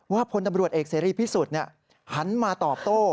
พลตำรวจเอกเสรีพิสุทธิ์หันมาตอบโต้